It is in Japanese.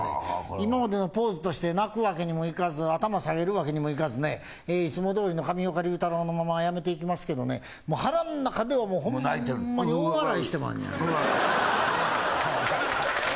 今までのポーズとして泣くわけにもいかず、頭下げるわけにもいかずね、いつもどおりの上岡龍太郎のまま辞めていきますけどね、もう腹の中ではほんまに大笑いしてまんにゃわ。